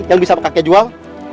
yang bisa kakek jual